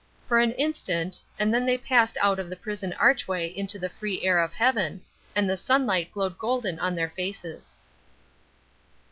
For an instant and then they passed out of the prison archway into the free air of heaven and the sunlight glowed golden on their faces.